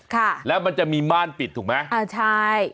ค่ะแล้วมันจะมีม่านปิดถูกไหมอ่าใช่